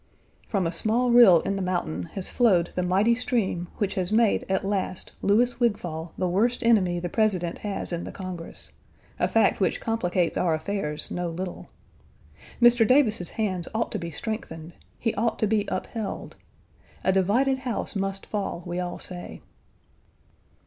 From a small rill in the mountain has flowed the mighty stream which has made at last Louis Wigfall the worst enemy the President has in the Congress, a fact which complicates our affairs no little. Mr. Davis's hands ought to be strengthened; he ought to be upheld. A divided house must fall, we all say.